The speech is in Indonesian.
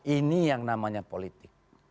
ini yang namanya politik